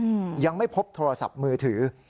ยังไม่พบโทรศัพท์มือถือ